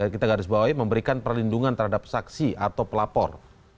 kita garis bawahi memberikan perlindungan terhadap saksi atau pelapor